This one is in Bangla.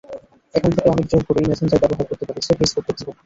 এখান থেকে অনেক জোর করেই মেসেঞ্জার ব্যবহার করতে বলছে ফেসবুক কর্তৃপক্ষ।